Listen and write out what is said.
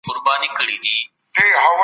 ورباندي غلبه کړېده.